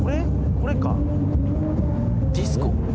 これかディスコ？